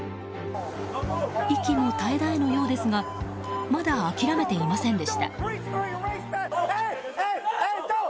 息も絶え絶えのようですがまだ諦めていませんでした。